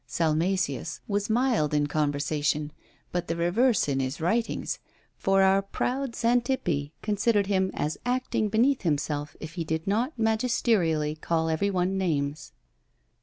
Salmasius was mild in conversation, but the reverse in his writings, for our proud Xantippe considered him as acting beneath himself if he did not magisterially call every one names!